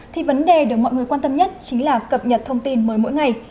thì vấn đề được mọi người quan tâm nhất chính là cập nhật thông tin mới mỗi ngày